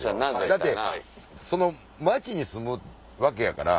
だってその町に住むわけやから。